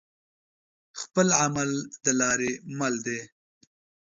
خپل عمل د لارې مل دى.